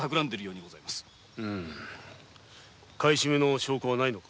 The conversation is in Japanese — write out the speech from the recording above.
うむ買い占めの証拠はないのか？